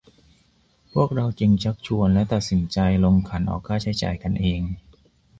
พวกเราจึงชักชวน และ ตัดสินใจ ลงขันออกค่าใช้จ่ายกันเอง